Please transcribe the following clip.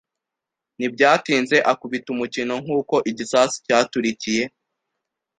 Ntibyatinze akubita umukino nkuko igisasu cyaturikiye.